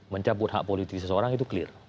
mencabut hak politik seseorang itu clear